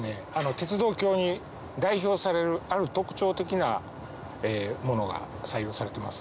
鉄道橋に代表されるある特徴的なものが採用されてます。